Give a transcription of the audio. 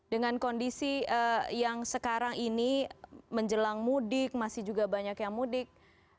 dengan kondisi yang sekarang ini menjelang mudik masih juga banyak yang mudik